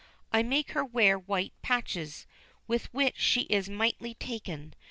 I make her wear white patches, with which she is mightily taken.